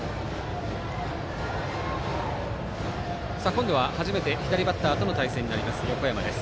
今度は初めて左バッターとの対戦になります横山です。